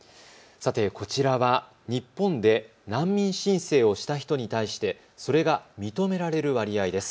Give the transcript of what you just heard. さてこちらは日本で難民申請をした人に対してそれが認められる割合です。